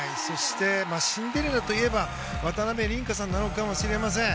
シンデレラといえば渡辺倫果さんなのかもしれません。